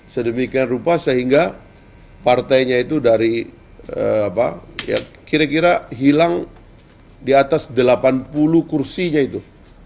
sedemikian rupa sehingga partainya itu dari kira kira hilang di atas delapan puluh kursinya itu